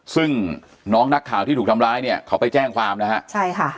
ซึ่งน้องนักข่าวที่ถูกทำร้ายเนี่ยเขาไปแจ้งความนะฮะใช่ค่ะ